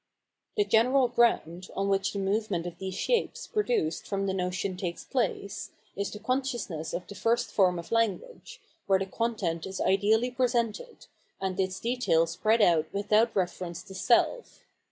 The general ground, on which the movement of these shapes produced from the notion takes place, is the con sciousness of the first form of language, where the content is ideally presented, and its detail spread out without reference to self.